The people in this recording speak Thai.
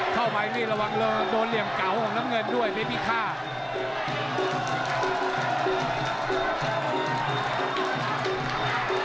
เข้าไปนี่ระวังเลยโดนเหลี่ยมเก่าของน้ำเงินด้วยเพชรพิฆาต